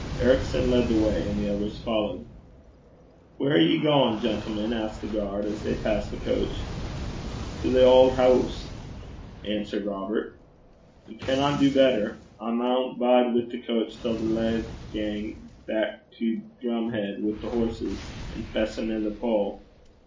Ericson led the way, and the others followed. 'Whaur are ye gaein', gentlemen?' asked the guard, as they passed the coach. 'To the auld hoose,' answered Robert. 'Ye canna do better. I maun bide wi' the coch till the lave gang back to Drumheid wi' the horses, on' fess anither pole.